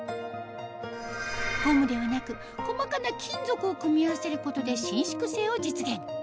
ゴムではなく細かな金属を組み合わせることで伸縮性を実現